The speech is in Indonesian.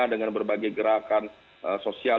dengan berbagai gerakan sosial